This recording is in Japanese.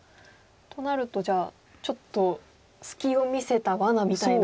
となるとじゃあちょっと隙を見せたワナみたいな。